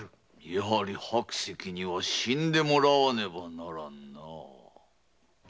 やはり白石には死んでもらわねばならぬな。